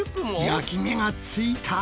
焼き目がついた。